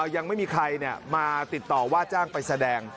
ยังไม่มีใครมาติดต่อว่าจ้างไปแสดง